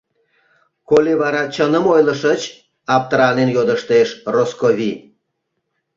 Коли вара чыным ойлышыч? — аптыранен йодыштеш Росковий.